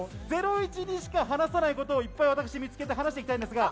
『ゼロイチ』にしか話さないこと、いっぱい見つけて話していきます。